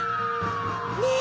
ねえ